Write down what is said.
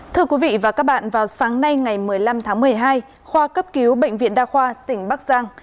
thưa quý vị và các bạn vào sáng nay ngày một mươi năm tháng một mươi hai khoa cấp cứu bệnh viện đa khoa tỉnh bắc giang